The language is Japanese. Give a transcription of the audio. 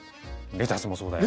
レタスもそうだよ。